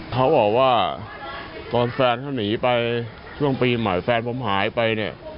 เขาบอกว่าตอนแฟนเขาหนีไปช่วงปีใหม่แฟนผมหายไปเนี่ย